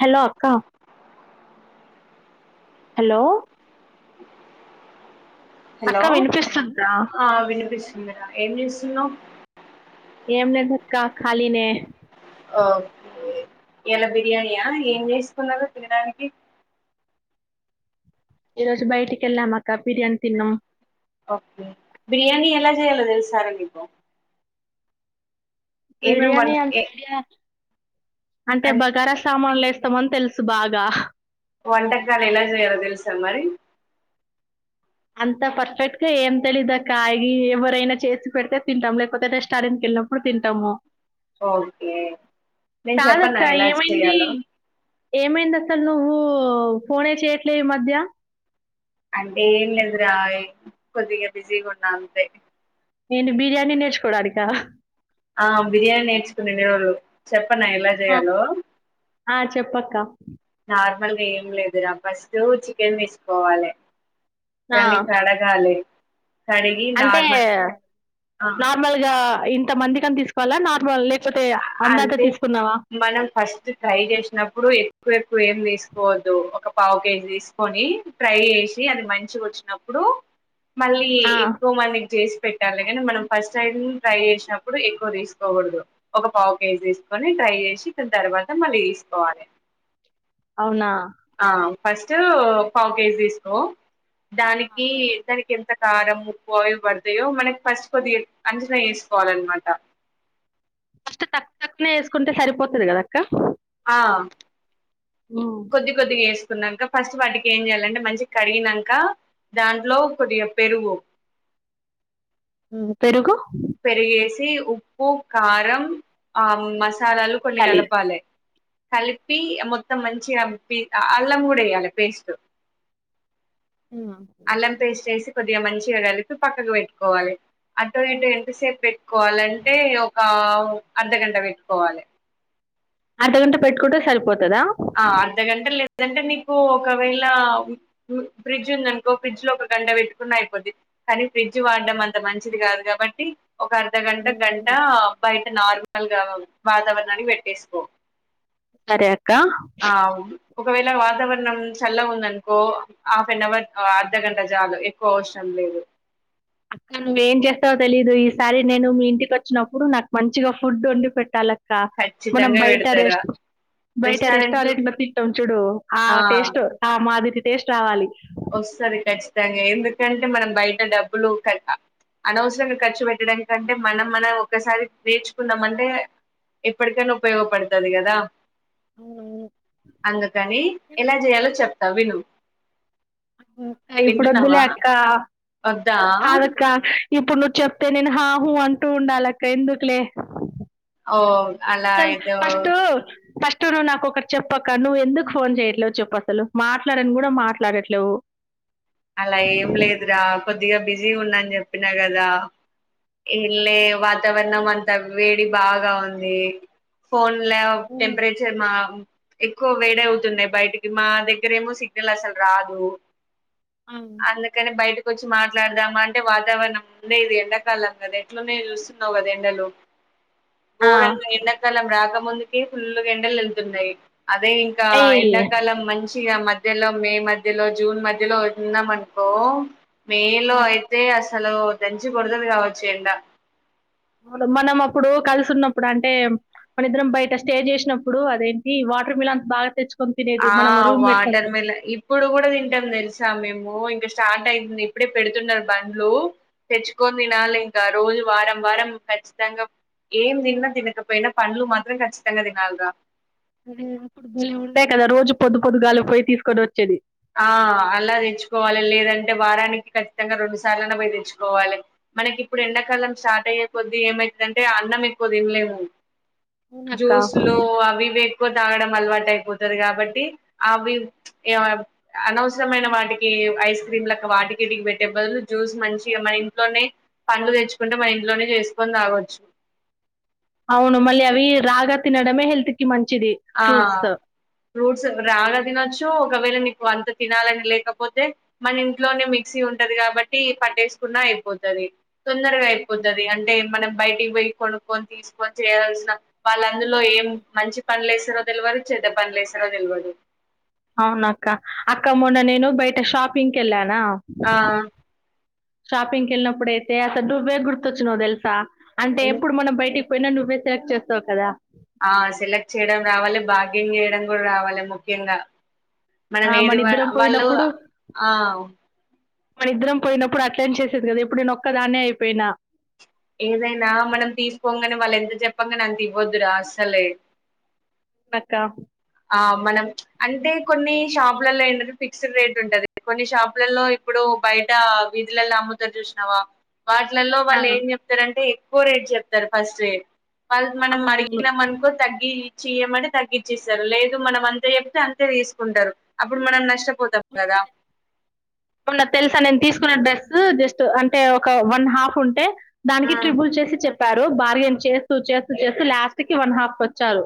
Hello అక్క hello hello అక్క వినిపిస్తుందా ఆ వినిపిస్ ఏంచేస్తున్నావ్ ఏంలేదు అక్క ఖాళీనే ఆ ఇయ్యల బిర్యానీయా ఏం చేసుకున్నారు తినడానికి ఈరోజు బయటికి వెళ్ళాం అక్క బిర్యానీ తిన్నం ఓకే బిర్యానీ ఎలా చేయాలో తెల్సారా నీకు బిర్యానీ అంత ఏ ఐడియా అంటే అన్ బగారా సామాన్లు ఏస్తామని తెలుసు బాగా వంటకాలు ఎలా జెయలో తెలుసా మరి అంత పర్ఫెక్ట్ గా ఏం తెలీదు అక్క ఈ ఎవ్వరైనా చేసి పెడితే తింటాం లేకపోతే రెస్టారెంట్ ఎల్లప్పుడు తింటాము ఓకే నేను చెప్పన కాదక్క ఎలా ఏమైంది చేయాలో ఏమైంది అక్క నువ్వు ఫోనె చెయట్లే ఈ మధ్య అంటే ఏం లేదుర హే కొద్దిగా బిజీగా ఉన్న అంతే ఏంటి బిర్యానీ నేర్చుకోవడానిక ఆ బిర్యానీ నేర్చుకుందేవారు చెప్ చెప్పన ఎలా చేయాలో ఆ చెప్పక్క అంత ఏం లేదుర ఫస్టు చికెన్ తీసుకోవాలె ఆ, దాన్ని కడగాలి కడిగి అంటే నార్మల్ ఆ నార్మల్గా ఇంత మందికన్ తీస్కోలా నార్మల్ లె అంటే మనం ఫస్ట్ ట్రై జేస్నాప్పుడు ఎ ఎకువెక్కువెం తీస్కోవద్దు ఒక పావు కేజీ తీస్కొని ట్రై చేసి అది మంచిగోచ్చ్నప్పుడ్ డు మళ్ళీ ఆ! ఎక్కువ మందికి జేస్ పెట్టాలి గాన మనం ఫస్ట్ టైం ట్రై జేస్నప్పుడు ఎక్వ జేస్కోగూడదు ఒక పావ్ కేజీ తీస్కొని ట్రై జేసి దాన్ తర్వాత మళ్ళీ జేస్కోవాలే అవునా ఆ ఫస్టూ పావ్ కేజ్ దీస్కో దానికి ఇద్దరిక్ ఎంత కారమ్ ఉప్పు అవి వడ్తాయో మనక్ ఫస్ట్ కొద్దిగా అంచనా ఎస్కోవాల్న్మాట ఫస్ట్ తక్కు తక్కునే ఎస్కుంటే సరిపోతది గదక్క ఆ హ్మ్. కొద్ది కొద్దిగ్ ఎస్కున్నాంక ఫస్ట్ వాటికేం జేయాలంటే మంచి కడిగినంక దాంట్లో కొద్దిగా పెరుగు ఉమ్ పెరుగు పెరిగేసి ఉప్పు కారం ఆమ్ మస్ సాలాలు కొన్ని తియ్యాలి. గలపాలే కల్పి మొత్తం మంచిగా అ అల్లం గూడా ఏయాలి పేస్టు హ్మ్. అల్లం పేస్టేసి కొద్దిగా మంచిగ గాల్పీ పక్కన్ పెట్టుకోవాలి అటు ఇటు ఏం ఎంతసేప్ పెట్కోవాలంటే ఇగ ఒక అద్దగంట వెట్కోవాలే అర్దగంట పెట్కుంటే సరిపోత్ ఆ అర్ధగంట లే దంటే మీకు ఒకవేళ మ్ ఫ్రిడ్జ్ ఉందన్కో ఫ్రిడ్జ్ లో ఒక గంట పెట్కున్న ఐపోద్ది కానీ ఫ్రిడ్జ్ వాడ్డం అంత మంచిది గాద్ కాబట్టి ఒక అర్ధ గంట హ్మ్. గంట హ్మ్. బైట్ అంటె నార్మల్గా వాతవర్ణానిక్ వెట్టేస్కో సరే అ ఆమ్ ఒకవేళ వాతావర్ణం చల్లగుందన్కో హాఫ్ అన్ అవర్ అర్ధగంట జాలు ఎక్కువ అవసరం లేదు అక్క నువ్వేంజేస్తావ్ తెలీదు ఈసారి నేను మీ ఇంటికోచ్చినప్పుడు నాక్ మంచిగా ఫుడోండి పెట్టాల క్క మనం ఖచ్చితంగా బైట పెడతారా రెస్ట్ బైట రెస్టారెంట్లు రెస్టారెంట్ లో తింటాం చూడు ఆ టేస్టు ఆ మాదిరి టేస్ట్ రావాలి వస్తాది కచ్చితంగా ఎందుకంటే మనం బయట డబ్బులు కట అనవసరంగా ఖర్చు పేట్టడం కంటే మనం మనం ఒక్కసారి నేర్చుకుందామంటే ఎప్పటికైనా ఉపయోగపడ్తది గదా అవునవును. అందుకని ఎలా జేయాలో చెప్తా విను అ ఇప్పుడోద్దులే వింటున్నావా అక్క వద్దా కాదక్క ఇప్పుడ్ నువ్ చెప్తే నేన్ హాహు అంటూ ఉండాలక్క ఎందుక్లే ఓ అలా అసల్ ఏదో ఫస్టు ఫస్ ట్ నువ్ నాకొకట్ చెప్పక్క నువ్ ఎందుక్ ఫోన్ చేయట్లేవ్ చెప్పసలు మాట్లాడన్ గూడా మాట్లాడట్లేవు అలా ఏం లేదురా కొద్దిగా బిజీ ఉన్నా అన్ జెప్పినా గదా ఎంలే వాతావర్ణం అంతా వేడి బాగా ఉంది ఫోన్ లవ్ హ్మ్. టెంపరేచర్ మా ఎక్కువ వేడౌతుం బైటికి మా దగ్గరెమో సిగ్నల్ అసల్ రాదు. అవును. అందుకనే బైట్ కొచ్చి మాట్లాడదాం అంటే వాతావరనం ముందే ఇది ఎండాకాలం గదా ఎట్లునై జుస్తున్నావ్ గదా ఎండలు ఆ! గోరంగ్గా ఎండాకాలం రాకముందుకి ఫుల్ గా ఎండలు వెళ్తున్నాయి అదే ఇంకా అయి ఎండాకాలం మంచి ఆ మధ్యలో మే మధ్యలో జూన్ మధ్యలో ఉన్నాం అనుకో మేలో హ్మ్. అయితే అసల చలో దంచి కొడుతురు కావచ్చు ఎండ మనం అప్పుడు కలిసున్నప్పుడు అంటే మన ఇద్దరం బయట స్టే చేసినప్పుడు అదేంటి వాటర్ మిలాన్ బాగా తెచ్చు ఆ వాటర్ మిలాన్ ఇప్పుడు కూడా తింటాం తెలుసా మేము ఇగ స్టార్ట్ అయితుంది ఇప్పుడే పెడుతున్నారు. బండ్లు తెచ్చుకొని తినాలి ఇంకా రోజు వారం వారం ఖచ్చితంగా ఏం తిన్న తినకపోయినా పళ్లు మాత్రం ఖచ్చితంగా తినాలిరా. ఇప్పుడు ఉండాయి కదా రోజు పొద్దు పొద్దుగాలి పోయి తీసుకొని వచ్చేది. ఆ అలా తెచ్చుకోవాలి. లేదంటే వారానికి ఖచ్చితంగా రెండు సార్లుఅయిన పోయి తెచ్చుకోవాలి. మనకి ఇప్పుడు ఎండాకాలం స్టార్ట్ అయ్యే కొద్దీ, ఏమయిద్దంటే అన్నం ఎక్కువ తినలేము. అవునక్క. జ్యూస్ లు అవి ఇవి ఎక్కువ తాగడం అలవాటు అయిపోతది కాబట్టి అవి అనవసరమైన వాటికి ఐస్ క్రీమ్ లక్క వాటికి ఇంటికి పెట్టే బదులు జ్యూస్ మంచిగా మన ఇంట్లోనే పండ్లు తెచ్చుకుంటే మన ఇంట్లోనే చేసుకొని తాగచ్చు. అవును మళ్ళీ అవి రాగ తినడమే హెల్త్ కి మం ఆ ఫ్రూట్స్ రాగా తినొచ్చు ఒకవేళ నీకు అంత తినాలని లేకపోతే మన ఇంట్లోనే మిక్సీ ఉంటది. కాబట్టి పట్టేసుకున్న అయిపోతది తొందరగా హ్మ్. అయిపోతది అంటే మనం బయటికి పోయి కొనుక్కొని తీసుకొని చేయాల్సిన వాళ్ళందులో ఏం మంచి పండ్లు ఏస్తరో తెలువదు చెడ్డ పండ్లు ఏస్తరో తెల్వదు. అవునా అక్క అక్క మొన్న నేను బయట షాపింగ్ వెళ్ళానా ఆ షాపింగ్ వెళ్ళినప్పుడుయితే అసలు నువ్వే గుర్తొచ్చినావు తెలుసా. అంటే ఎప్పుడు మనం బయటికి పోయినా నువ్వే తయారు చేస్తావు కదా ఆ సెలెక్ట్ చేయడం రావాలి బార్గీంగ్ చేయడం కూడా రావాలి ముఖ్యంగా మనం ఆ! ఏది వ మనిద్దరం వాళ్ళు ఆ మన ఇద్దరం పోయినప్పుడు అట్లంనే చేసేది కదా. ఇపుడు నేను ఒక్కదాన్నే అయిపోయినా. ఏదైనా మనం తీసుకోంగానే వాళ్ళు ఎంత చెప్పంగాని అంత ఇవ్వద్దురా అసలే నక్క ఆ మనం అంటే కొన్ని షాపులలో ఏంటంటే ఫిక్స్డ్ రేట్ ఉంటది. కొన్ని షాపులలో ఇప్పుడు బయట వీధిలల్లో అమ్ముతారు చూసినావా వాటిలలో ఆ! వాళ్ళు ఏం చెప్తారంటే ఎక్కువ రేట్ చెప్తారు ఫస్ట్ ఏ వాళ్ళు మనం అవునవును. అడిగినాం అనుకో తగ్గి ఇచ్చియమని తగ్గిచిస్తం జరా లేదు మనం అంతే చెప్తే అంతే తీసుకుంటరు. అప్పుడు మనం నష్ట పోతాంకదా మొన్న తెలుసా నేను తీసుకున్న డ్రెస్ జస్ట్ అంటే ఒక వన్ హాఫ్ ఉంటే దానికి ట్రిబుల్ చేసి చెప్ చెప్పారు బార్గెన్ చేస్తూ చేస్తూ చేస్తూ లాస్ట్కి వన్ హాఫ్ కి వచ్చారు.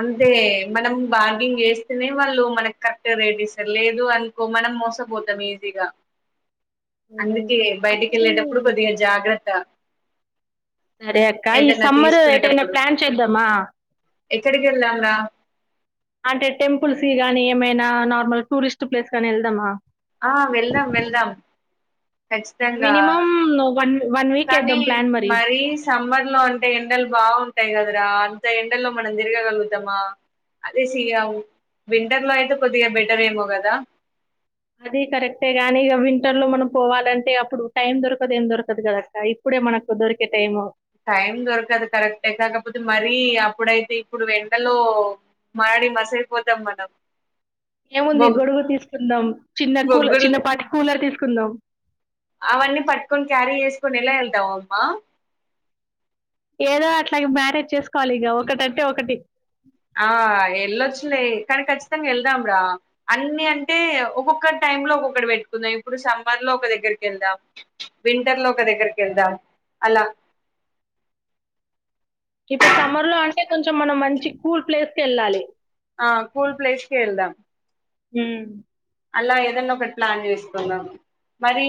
అంతే మనం బార్గింగ్ చేస్తేనే వాళ్ళు మనకు కరెక్ట్ రేట్ ఇస్తారు లేదు అనుకో మన మోసపోతాం ఈజీగా అందుకే బయటికి వెళ్ళేటప్పుడు కొద్దిగా జాగ్రత్త సరే అక్క ఈ ఏదన్నా సమ్మర్ ఎటైనా తీసుకునేటప్పుడు ప్లాన్ చేద్దామా ఎక్కడికి వెళదాం రా గాని ఏమైనా నార్మల్ టూరిస్ట్ ప్లేస్ కి అయినా వెళ్దామా ఆ వెళ్దాం వెళ్దాం ఖచ్చితంగా మినిమమ్ వన్ వన్ వీక్ కానీ ఏద్దాం ప్లాన్ మరి. మరీ సమ్మర్ లో అంటే ఎండలు బావుంటాయి కదా ఆహ్ అంత ఎండల్లో మనం తిరగగలుగుతామా. అదే సియావు వింటర్ లో అయితే కొద్దిగా బెటర్ ఏమో కదా. అది కరెక్టే గాని ఇక వింటర్ లో మనం పోవాలంటే అప్పుడు టైం దొరకదు ఏం దొరకదు కదా అక్క ఇప్పుడే. ఇప్పుడే మనకు దొరికే టైము. టైం దొరకదు కరెక్టే కాకపోతే మరీ అప్పుడైతే ఇప్పుడు ఎండలో మాడి మసయిపోతాం మనం ఏముంది బొగ్ గొడుగు తీసుకుందాం. చిన్న కూల బొగ్గులు చిన్నపాటి కూలర్ తీసుకుందాం. అవన్నీ పట్టుకొని క్యారీ చేసుకొని ఎలా వెల్తామ్ అమ్మా ఏదో అట్లాగ మ్యానేజ్ చేసుకోవాలి ఇగ ఒకటంటే ఒకటి. ఆహ్ వెళ్ళొచ్చులే కానీ ఖచ్చితంగా వెళ్దాం రా అన్ని అంటే ఒక్కొక్క. టైం లో ఒకొక్కటి పెట్టుకుందాం ఇప్పుడు సమ్మర్లో ఒక దగ్గరికి వెళ్దాం వింటర్లో ఒక దగ్గరికి వెళ్దాం. అలా. ఇప్పుడు సమ్మర్‌లో అంటే కొంచెం మనం మంచి కూల్ ప్లేస్ కెళ్ళాలి. ఆహ్ కూల్ ప్లేస్ కేళ్దాం. హుమ్. అలా ఏదన్న ఒకటి ప్లాన్ చేసుకుందాం. మరి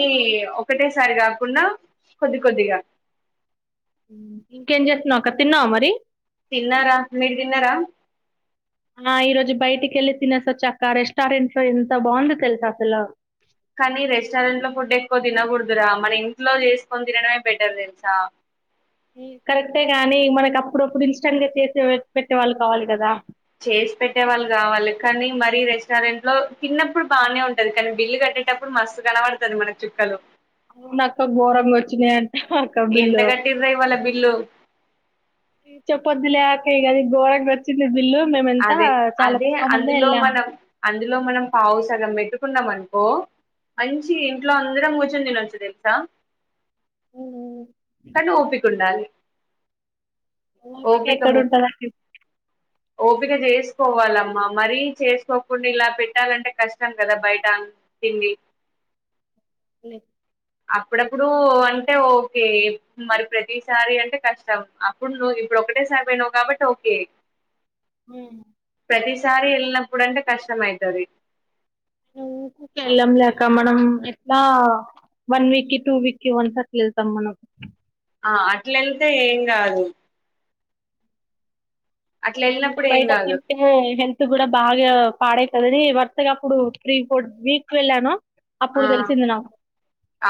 ఒకటేసారి కాకుండా కొద్ది కొద్దిగా. ఇంకేం చేస్తున్నవక్క తిన్నావా మరి. తిన్నారా మీరు తిన్నారా. ఆహ్ ఈ రోజు బయటికెళ్ళి తినేసోచ్చక్కా రెస్టారెంట్ లో ఎంత బాగుందో తెలుస అసలు. కానీ రెస్టారెంట్ లో ఫుడ్ ఎక్కువ తినకూడుదురా మన ఇంట్లో చేసుకొని తినడమే బెటర్ తెలుసా. కరెక్టే గాని మనకి అప్పుడప్పుడు ఇన్స్టాంట్గా చేసి పెట్టేవాళ్ళు కావాలి కదా. చేసి పెట్టే వాళ్ళు కావాలి కనీ మరి రెస్టారెంట్ లో తిన్నప్పుడు బాగానే ఉంటది కానీ బిల్ కట్టె. కటేప్పుడు మస్తు కనబడుతది మనకు చుక్కలు. అవునక్క గోరంగా వచ్చినయంట. ఎంత కట్టింర్రె ఇవాళ బిల్లు. చెప్పోద్దులే అక్క ఇగ అది గోరంగ వచ్చింది బిల్లు. మేము ఎంత అదే చాలా అదే తక్కువ అందులో మందేళ్ళాము. మనం అందులో మనం పావు సగం పెట్టుకున్నం అనుకో. మంచిగ ఇంట్లో అందరం కూర్చొని తినొచ్చు తెలుసా. అవునవును. కాని ఓపిక ఉండాలి. ఓపిక ఓపికము ఎక్కడుంటదండి ఓపిక ఇప్పుడు. చేసుకోవాల. మ్మ మరీ చేసుకోకుండా ఇలా పెట్టాలంటే కష్టం కదా బయట తిండి. బ్లాంక్ లే. అప్పుడప్పుడు అంటే ఓకే మరి ప్రతిసారి అంటే కష్టం అప్పుడు నువ్వు. ఇప్పుడు ఒకటే సారిపోయినవు కాబట్టి ఓకే. ఉమ్. ప్రతిసారి వెళ్ళినప్పుడు అంటే కష్టం అయితది. ఉకుకే వెళ్ళంలేక్క మనం ఎట్లా. వన్ వీక్ కి టూ వీక్కి వన్సాట్లా వెళ్తామ్ మనం. ఆహ్ అట్లా వెళ్తే ఏం కాదు. అట్లా ఏమన్నాక వెళ్ళినప్పుడు ఏం బయట కాదు తింటే హెల్త్ కూడా. బాగా పాడయితదని వరుసగా అప్పుడు త్రీ ఫోర్ వీక్స్ వెళ్ళాను. అప్పుడు ఆహ్ తెలిసింది నాకు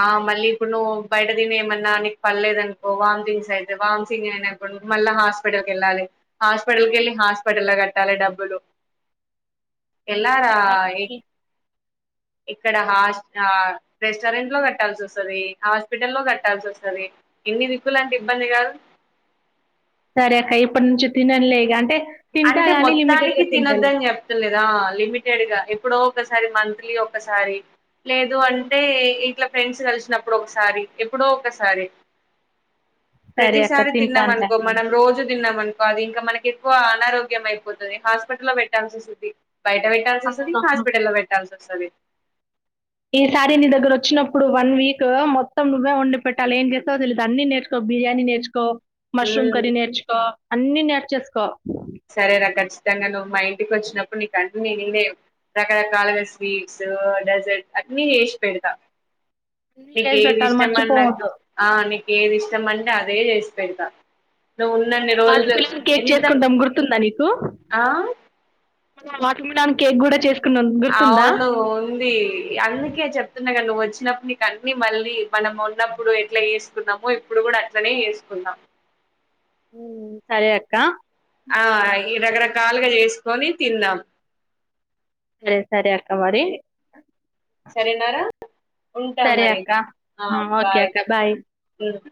ఆహ్ మళ్ళీ ఇప్పుడు నువ్వు బయట తిని ఏమన్. న్న నీకు పల్లేదనుకో వాంథింగ్స్ అయితయి వాంతిగ్స్ అయినాయినుకో మళ్ళ హాస్పిటల్కి వెళ్ళాలి హాస్పిటల్. టుకెళ్ళి హాస్పిటల్ల కట్టాలి డబ్బులు. ఎలారా చికాకు ఇక్ అసలు ఇక్కడ హస్. ఆహ్ రెస్టారెంట్లో కట్టాల్సి వస్తది హాస్పిటల్లో కట్టాల్సి వస్తది ఇన్ని దిక్కులంటె. ఇబ్బంది గాదు. సరే అక్క ఇప్పటి నుంచి తినంలే ఇగ అంటే. తింటా అంటే గాని లిమిటెడ్ మొత్తానికి గా తింటలే తినొద్దని చెప్తలేదు ఆ లిమిటెడ్ గా ఎప్పుడో ఒకసారి సరి మంత్లీ ఒకసారి లేదు అంటే ఇట్లా ఫ్రెండ్స్ కలిసినప్పుడు ఒకసారి ఎప్పుడో ఒక సారి సరే అక్క ప్రతిసారి తింటానులే తిన్నామనుకో నేను మనం రోజు తిన్నామనుకో అది ఇంకా మనకి ఎక్కువ. అనారోగ్యం అయిపోతది హాస్పిటల్లో పెట్టాల్సి వస్తది బయట పెట్టాల్సి వస్తది అవునవును హాస్పిటల్లో లో పెట్టాల్సి వస్తది. సరే. ఈసారి నీ దగ్గరోచ్చినప్పుడు వన్ వీక్ మొత్తం నువ్వే వండి పెట్టాలి ఏం చేస్తావో తెలిదు అన్ని నేర్చుకో బిర్యానీ నేర్చుకో మష్రూమ్ ఉమ్ కర్రీ నేర్చుకో అన్ని నేర్చేస్కో సరే రా ఖచ్చితంగా నువ్వు మా ఇంటికోచ్చినప్పుడు నీకు అన్నీ నేనే రకరకాలుగా స్వీట్స్ డెజర్ట్ అన్నీజేస్పెడ్తా అన్ని చేసి నీకేది పెట్టాలి ఇష్టమన్నకు మర్చిపోవద్దు ఆ నీకు ఏది ఇష్టమంటే అదే చేస్పెడ్తా వాటర్ మిల్లన్ కేక్ చేసుకుంటాం గుర్తుందా నీకు ఆ వాటర్మెల్లోన్ కేక్ కూడా చేస్ అవును ఉందీ అందుకే చెప్తు ఇందాక నువ్వు వచ్చినప్పుడు నీకు అన్ని మళ్ళీ మనమున్నప్పుడు ఎట్లా ఎస్కున్నామో ఇప్పుడు కూడా అట్లనే ఎస్కున్నా ఆ సరే అక్క ఆ ఈ రకరకాలుగా చేసుకొని తిన్నాం సరే సరే అక్క మరి సరేనారా ఉంటా సరే మరి అక్క ఆ బాయ్ ఉహ్